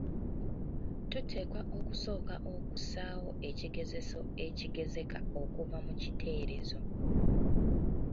Tuteekwa okusooka okussaawo ekigezeso ekigezeka okuva mu kiteerezo.